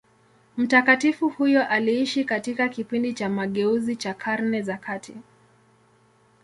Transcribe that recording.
Mtakatifu huyo aliishi katika kipindi cha mageuzi cha Karne za kati.